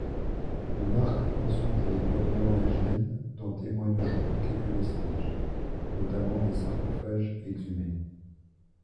Le marque ensuite l'époque mérovingienne, dont témoignent aujourd'hui quelques vestiges, notamment des sarcophages exhumés.